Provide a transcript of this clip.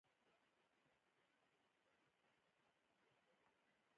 تور رنګ سیمان له فاز سیم سره نښتي، اسماني د صفري سیم سره.